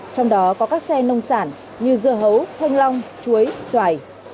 trong đó có các xe nông sản như dưa hấu thanh long chuối xoài